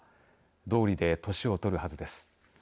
どおりで年をとるはずです。